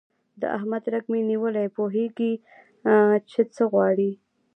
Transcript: د احمد رګ مې نیولی، پوهېږ چې څه غواړي.